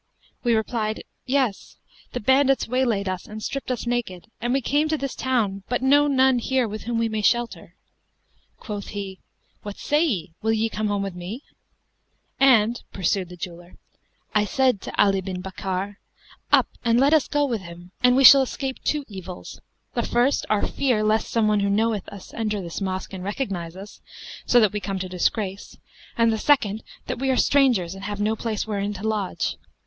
We replied, 'Yes: the bandits waylaid us and stripped us naked, and we came to this town but know none here with whom we may shelter.' Quoth he, 'What say ye? will you come home with me?' And" (pursued the jeweller) "I said to Ali bin Bakkar, 'Up and let us go with him, and we shall escape two evils; the first, our fear lest some one who knoweth us enter this mosque and recognise us, so that we come to disgrace; and the second, that we are strangers and have no place wherein to lodge.'